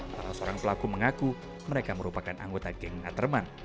salah seorang pelaku mengaku mereka merupakan anggota geng atterman